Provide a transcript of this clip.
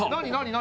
何？